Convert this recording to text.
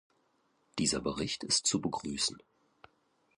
Dieser Bericht ist zu begrüßen.